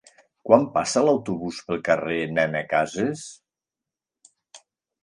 Quan passa l'autobús pel carrer Nena Casas?